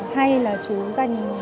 hay là chú dành